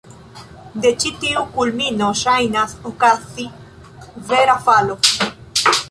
De ĉi tiu kulmino ŝajnas okazi vera falo.